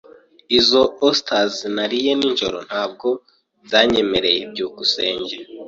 Izo osters nariye nijoro ntabwo zanyemereye. byukusenge